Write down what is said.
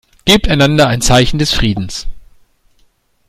Gebt einander ein Zeichen des Friedens.